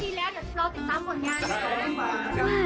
ดีแล้วดีแล้วเดี๋ยวที่รอติดตามวงการ